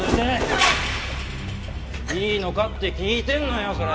いいのかって聞いてんのよそれ。